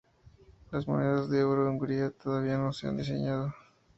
Las monedas de euro de Hungría todavía no se han diseñado.